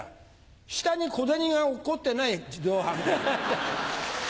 下に小銭が落っこってない自動販売機。